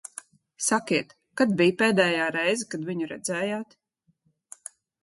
Sakiet, kad bija pēdējā reize, kad viņu redzējāt?